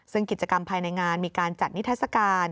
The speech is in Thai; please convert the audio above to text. ซึ่งกิจกรรมภายในงานมีการจัดนิทัศกาล